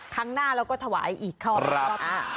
ครั้งหน้าเราก็ถวายอีกข้อครับ